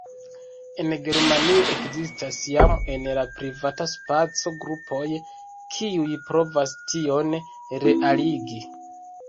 En Germanio ekzistas jam en la privata spaco grupoj, kiuj provas tion realigi.